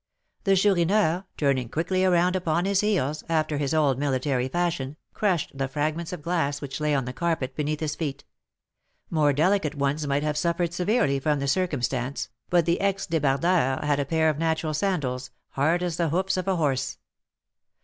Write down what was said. The Chourineur, turning quickly around upon his heels, after his old military fashion, crushed the fragments of glass which lay on the carpet beneath his feet. More delicate ones might have suffered severely from the circumstance, but the ex débardeur had a pair of natural sandals, hard as the hoofs of a horse.